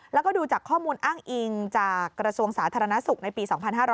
แล้วก็ดูจากข้อมูลอ้างอิงจากกระทรวงสาธารณสุขในปี๒๕๕๙